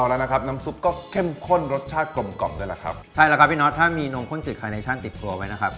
อร่อยขนาดนี้แล้ว